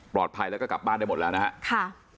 แล้วก็กลับบ้านได้หมดแล้วนะครับ